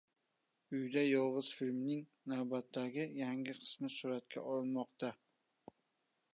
"Uyda yolg‘iz" filmining navbatdagi yangi qismi suratga olinmoqda